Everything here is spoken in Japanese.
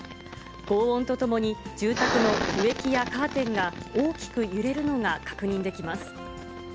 ごう音とともに、住宅の植木やカーテンが大きく揺れるのが確認できます。